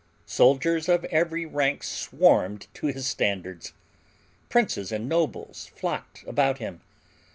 Soldiers of every rank swarmed to his standards. Princes and nobles flocked about him.